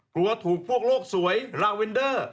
กลัวถูกพวกโลกสวยลาเวนเดอร์